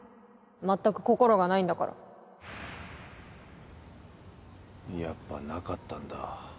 まったく心がないんだからやっぱなかったんだ。